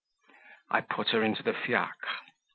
I put her into the fiacre.